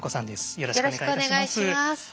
よろしくお願いします。